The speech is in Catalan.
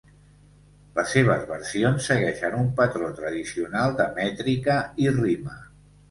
Les seves versions segueixen un patró tradicional de mètrica i rima.